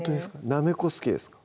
なめこ好きですか？